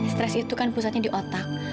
stres itu kan pusatnya di otak